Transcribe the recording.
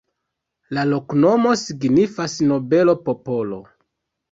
La loknomo signifas: nobelo-popolo.